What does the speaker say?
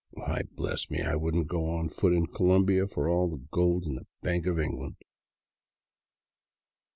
" Why, bless me, I would n't go on foot in Colombia for all the gold in the bank of England!